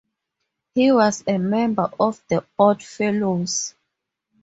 He was a member of the Oddfellows.